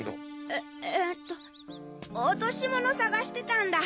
ええと落とし物捜してたんだ。